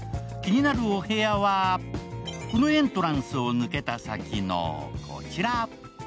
気になるお部屋はこのエントランスを抜けた先のこちら。